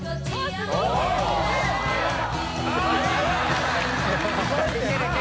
すごーい！」